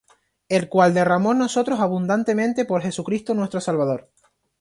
El cual derramó en nosotros abundantemente por Jesucristo nuestro Salvador,